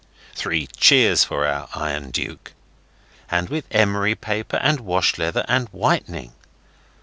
Three cheers for our Iron Duke!), and with emery paper and wash leather and whitening.